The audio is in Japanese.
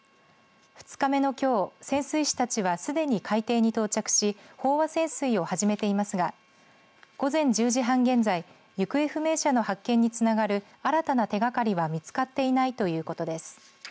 ２日目のきょう潜水士たちはすでに海底に到着し飽和潜水を始めていますが午前１０時半現在行方不明者の発見につながる新たな手がかりは見つかっていないということです。